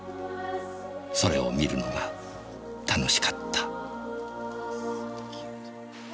それを見るのが楽しかった。